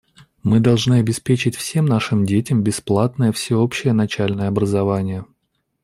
Мы должны обеспечить всем нашим детям бесплатное всеобщее начальное образование.